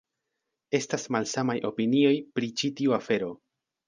Estas malsamaj opinioj pri ĉi tiu afero.